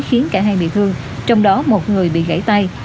khiến cả hai bị thương trong đó một người bị gãy tay